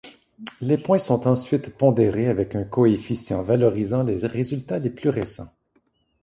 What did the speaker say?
Les points sont ensuite pondérés avec un coefficient valorisant les résultats les plus récents.